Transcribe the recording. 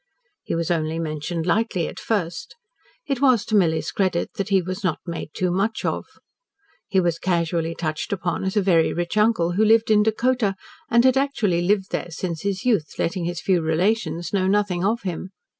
He was only mentioned lightly at first. It was to Milly's credit that he was not made too much of. He was casually touched upon as a very rich uncle, who lived in Dakota, and had actually lived there since his youth, letting his few relations know nothing of him.